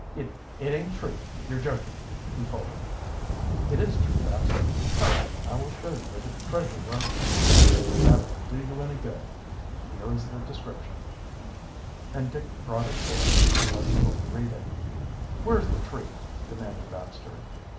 "It it aint true; you're joking," he faltered. "It is true, Baxter. Come, I will show you where the treasure was hidden if that will do you any good. Here is the description." And Dick brought it forth and let the bully read it. "Where's the tree?" demanded Baxter.